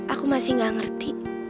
aku masih gak ngerti